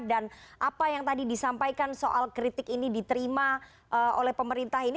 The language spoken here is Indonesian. dan apa yang tadi disampaikan soal kritik ini diterima oleh pemerintah ini